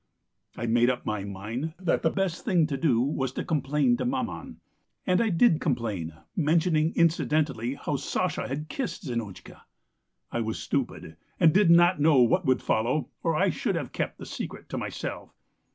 "I made up my mind that the best thing to do was to complain to maman. And I did complain, mentioning incidentally how Sasha had kissed Zinotchka. I was stupid, and did not know what would follow, or I should have kept the secret to myself.